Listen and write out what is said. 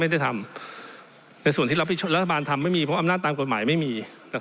ได้ทำในส่วนที่รัฐบาลทำไม่มีเพราะอำนาจตามกฎหมายไม่มี